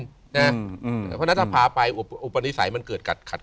เพราะฉะนั้นถ้าพาไปอุปนิสัยมันเกิดขัด